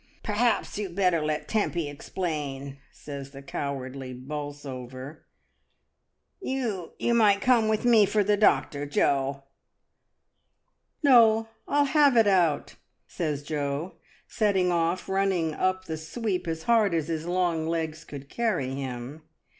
"Perhaps you had better let Tempy explain," says the cowardly BEACON FIRES. 135 Bolsover. "You — you might come with me for the doctor, Jo." "No, rU have it out," says Jo, setting off run ning up the sweep as hard as his long legs could carry him.